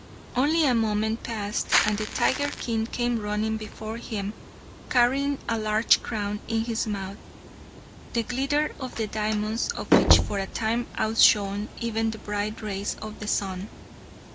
Only a moment passed, and the tiger king came running before him carrying a large crown in his mouth, the glitter of the diamonds of which for a time outshone even the bright rays of the sun.